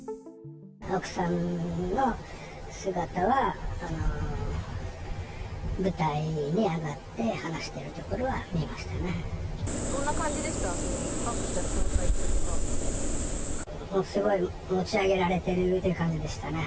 奥さんの姿は、舞台に上がって話してるところは見ましたね。